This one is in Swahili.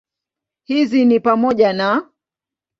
Hizi ni pamoja na